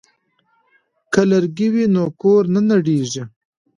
که لرګی وي نو کور نه نړیږي.